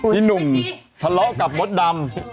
พี่หนุ่มทะเลาะกับมดดำ